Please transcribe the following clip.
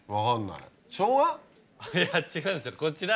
いや違うんですよこちら。